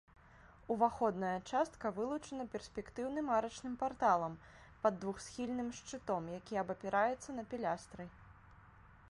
Уваходная частка вылучана перспектыўным арачным парталам пад двухсхільным шчытом, які абапіраецца на пілястры.